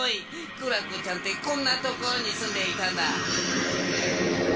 クラコちゃんってこんなところにすんでいたんだ。